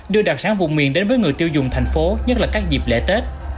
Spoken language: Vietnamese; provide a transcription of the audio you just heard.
đưa đặc sản vùng miền đến với người tiêu dùng thành phố nhất là các dịp lễ tết